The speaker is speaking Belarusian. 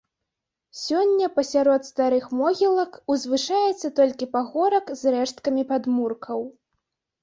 Сёння пасярод старых могілак узвышаецца толькі пагорак з рэшткамі падмуркаў.